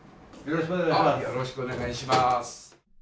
よろしくお願いします。